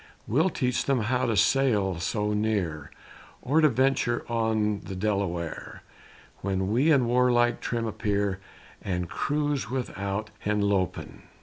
We'll teach them how to sail so near, Or to venture on the Delaware, When we in warlike trim appear And cruise without Henlopen.